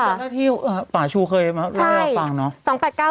ถ้าที่ป่าชูเคยมาเล่าให้เราฟังเนอะ